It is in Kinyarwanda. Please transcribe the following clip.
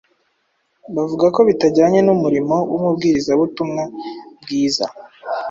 bavuga ko bitajyanye n’umurimo w’umubwirizabutumwa bwiza.